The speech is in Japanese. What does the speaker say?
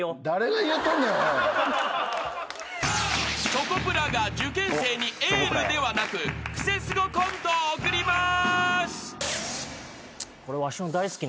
［チョコプラが受験生にエールではなくクセスゴコントを送ります］